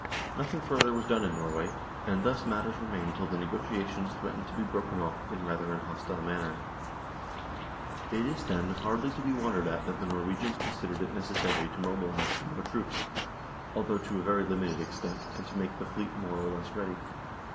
Nothing further was done in Norway, and thus matters remained till the negotiations threatened to be broken off in rather an hostile manner. It is, then, hardly to be THE DISSOLUTION OF THE UNION 149 wondered at that the Norwegians considered it necessary to mobilise some more troops, although to a very limited extent, and to make the fleet more or less ready.